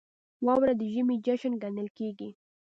• واوره د ژمي جشن ګڼل کېږي.